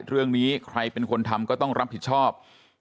เรื่องนี้ใครเป็นคนทำก็ต้องรับผิดชอบ